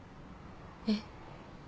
えっ？